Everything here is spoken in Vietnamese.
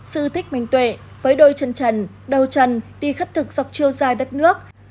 sư thích minh tuệ với đôi chân trần đầu chân đi khất thực dọc chiêu dài đất nước